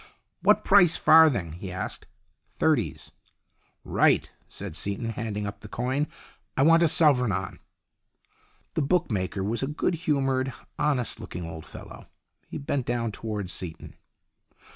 " What price Farthing ?" he asked. " Thirties." " Right," said Seaton, handing up the coin. " I want a sovereign on." The bookmaker was a good humoured, honest looking old fellow. He bent down towards Seaton.